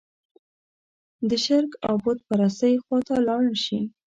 د شرک او بوت پرستۍ خوا ته لاړ شي.